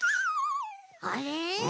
あれ？